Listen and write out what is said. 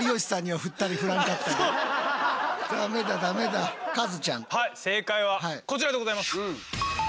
はい正解はこちらでございます。